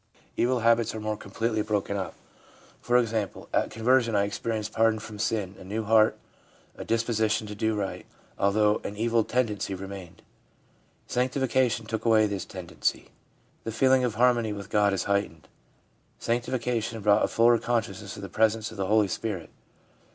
Evil habits are more completely broken up. For example: 'At con version I experienced pardon for sin, a new heart, a disposition to do right, although an evil tendency remained. Sanctification took away this tendency.' The feeling of harmony with God is heightened. 'Sanctification brought a fuller consciousness of the presence of the Holy Spirit.'